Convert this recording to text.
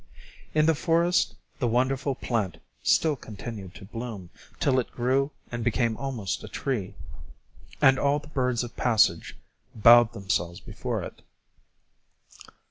In the forest the wonderful plant still continued to bloom till it grew and became almost a tree, and all the birds of passage bowed themselves before it.